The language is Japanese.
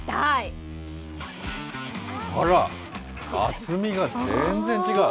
厚みが全然違う。